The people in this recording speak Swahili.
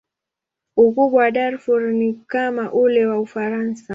Ukubwa wa Darfur ni kama ule wa Ufaransa.